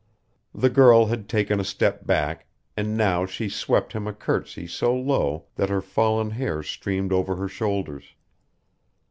The girl had taken a step back, and now she swept him a courtesy so low that her fallen hair streamed over her shoulders.